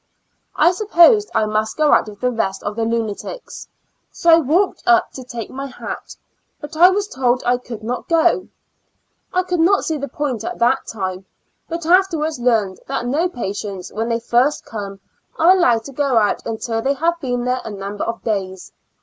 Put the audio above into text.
I supposed I must go out with the rest of the lunatics, so I walked up to take my hat, but I was told I could not go. I could not see the point at that time, but afterwards learned that no patients, when they first come, are allowed to go out until they have been there a number of days.